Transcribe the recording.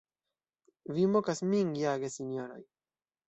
Vi mokas min ja, gesinjoroj!